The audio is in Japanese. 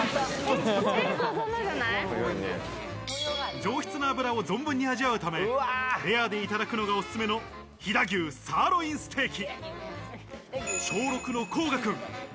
上質な脂を存分に味わうため、レアでいただくのがオススメの飛騨牛サーロインステーキ。